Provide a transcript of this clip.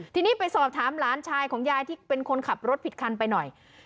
ทีนี้ไปสอบถามหลานชายของยายที่เป็นคนขับรถผิดคันไปหน่อย